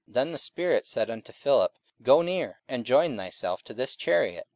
44:008:029 Then the Spirit said unto Philip, Go near, and join thyself to this chariot.